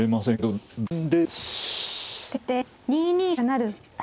先手２二飛車成。